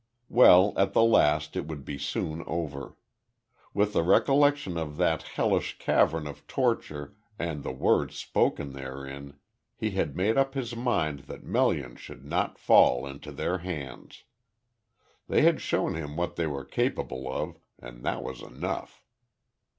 Well, at the last it would be soon over. With the recollection of that hellish cavern of torture, and the words spoken therein, he had made up his mind that Melian should not fall into their hands. They had shown him what they were capable of, and that was enough.